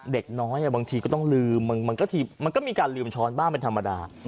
เด็กน้อยบางทีก็ต้องลืมมันก็มีการลืมช้อนบ้างเป็นธรรมดา